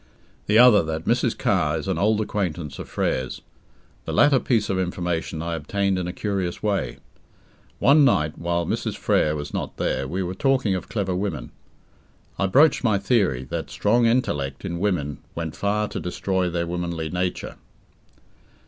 The other that Mrs. Carr is an old acquaintance of Frere's. The latter piece of information I obtained in a curious way. One night, while Mrs. Frere was not there, we were talking of clever women. I broached my theory, that strong intellect in women went far to destroy their womanly nature.